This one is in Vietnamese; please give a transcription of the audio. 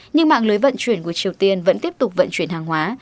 nhưng mạng lưới vận chuyển của triều tiên vẫn tiếp tục vận chuyển hàng hóa